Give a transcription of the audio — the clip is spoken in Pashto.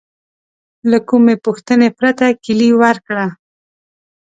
له کومې پوښتنې پرته کیلي ورکړه.